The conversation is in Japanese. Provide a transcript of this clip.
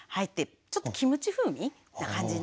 ちょっとキムチ風味な感じになってます。